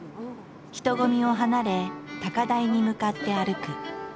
人混みを離れ高台に向かって歩く。